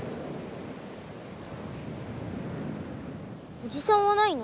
おじさんはないの？